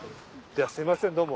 ゃあすみません